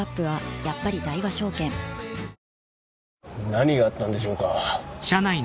何があったんでしょうか？